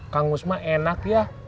kang mus mah enak ya